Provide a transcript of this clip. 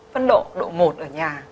phân độ độ một ở nhà